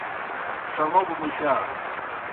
ݜہ موگوْ مُشا۔